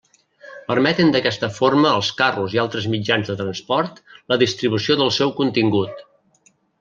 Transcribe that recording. Permeten d'aquesta forma als carros i altres mitjans de transport la distribució del seu contingut.